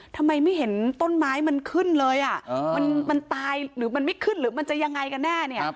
ทำไมไม่เห็นต้นไม้มันขึ้นเลยมันตายหรือมันไม่ขึ้นหรือมันจะยังไงกันแน่เนี่ย